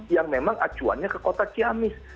yang memang acuannya ke kota ciamis